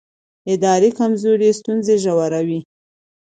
اداري کمزوري ستونزې ژوروي